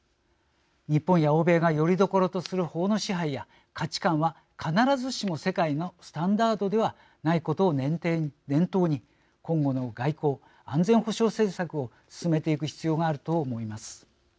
日本や欧米がよりどころとする法の支配や価値観は必ずしも世界のスタンダードではないことを念頭に今後の外交・安全保障政策を進めていく必要があると思います。